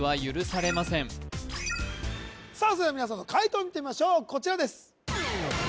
それでは皆さんの解答を見てみましょうこちらです